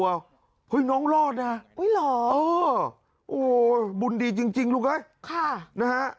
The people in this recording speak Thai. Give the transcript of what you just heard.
เฮ้ยน้องรอดนะเออโอ้โหบุญดีจริงลูกเอ้ยค่ะนะฮะ